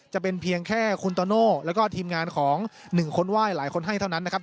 จะเป็นเพียงแค่คุณโตโน่แล้วก็ทีมงานของหนึ่งคนไหว้หลายคนให้เท่านั้นนะครับ